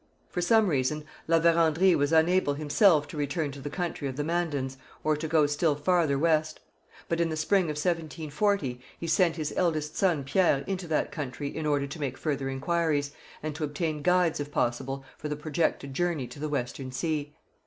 For some reason La Vérendrye was unable himself to return to the country of the Mandans or to go still farther west. But in the spring of 1740 he sent his eldest son Pierre into that country in order to make further inquiries, and to obtain guides if possible for the projected journey to the Western Sea.